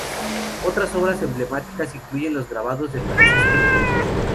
Otras obras emblemáticas incluyen los grabados de Francisco de Goya.